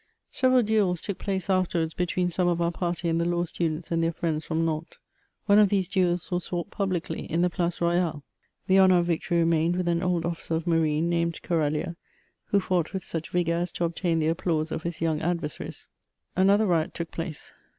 Several duels took place afterwards between somS of our party and the law students and their friends from Nantes. One of these duels was fought publicly, in the Place Royale ; the honour of victory remained with an old officer oi marine, named Keralieu, who fought with such vigour as to obtain the applause of his young adversaries. Another riot took place.